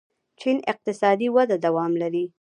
چین اقتصادي وده دوام لري.